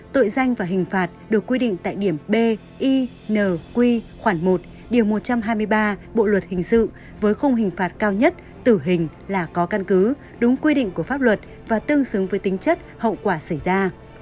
tội danh và hình phạt được quy định tại điểm b y nq khoảng một điều một trăm hai mươi ba bộ luật hình sự với khung hình phạt cao nhất tử hình là có căn cứ đúng quy định của pháp luật và tương xứng với tính chất hậu quả xảy ra